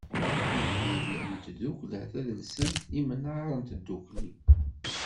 Ahil n tddukkla tadelsant Imnar n Tdukli.